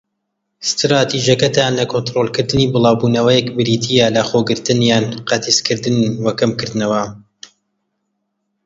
ستراتیجیەتەکان لە کۆنترۆڵکردنی بڵاوبوونەوەیەک بریتیە لە لەخۆگرتن یان قەتیسکردن، و کەمکردنەوە.